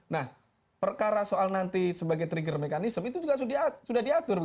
nah perkara soal nanti sebagai trigger mekanisme itu juga sudah diatur